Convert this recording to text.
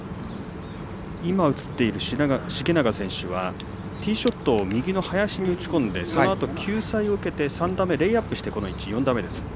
今、映っている重永選手はティーショットを右の林に打ち込んでそのあと救済を受けて３打目レイアップを受けての４打目です。